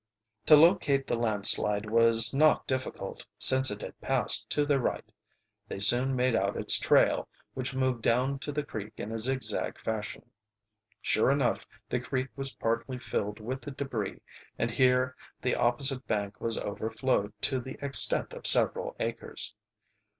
To locate the landslide was not difficult, since it had passed to their right. They soon made out its trail, which moved down to the creek in a zigzag fashion. Sure enough the creek was partly filled with the debris, and here the opposite bank was overflowed to the extent of several acres.